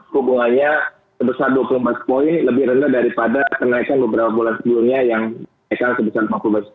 hubungannya sebesar dua puluh empat points lebih rendah daripada kenaikan beberapa bulan sebelumnya yang sebesar lima belas points